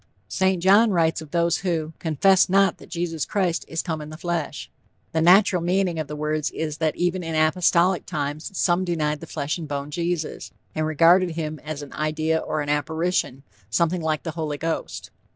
St. John writes of those who "confessed not that Jesus Christ is come in the flesh." The natural meaning of the words is that even in apostolic times some denied the flesh and bone Jesus, and regarded him as an idea or an apparition something like the Holy Ghost.